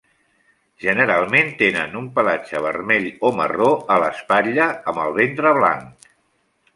Generalment tenen un pelatge vermell o marró a l'espatlla, amb el ventre blanc.